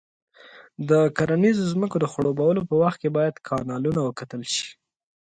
د کرنیزو ځمکو د خړوبولو په وخت کې باید کانالونه وکتل شي.